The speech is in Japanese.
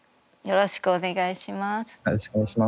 よろしくお願いします。